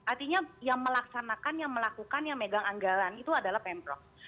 artinya yang melaksanakan yang melakukan yang megang anggaran itu adalah pemprov